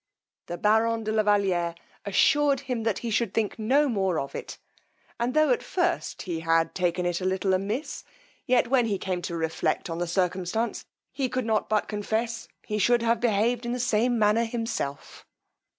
The baron de la Valiere assured him that he should think no more of it; and tho' at first he had taken it a little amiss, yet when he came to reflect on the circumstance, he could not but confess he should have behaved in the same manner himself.